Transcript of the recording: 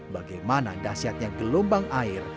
bagaimana dasyatnya gelombang air